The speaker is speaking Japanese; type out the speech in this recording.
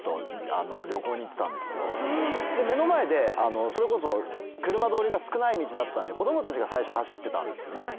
目の前でそれこそ車通りが少ない道だったんで子供たちが最初走ってたんですよね。